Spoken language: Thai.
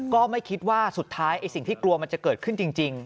ก็ไม่คิดว่าสุดท้ายไอ้สิ่งที่กลัวมันจะเกิดขึ้นจริง